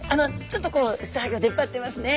ちょっとこう下顎出っ張ってますね。